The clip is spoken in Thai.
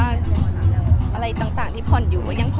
แม็กซ์ก็คือหนักที่สุดในชีวิตเลยจริง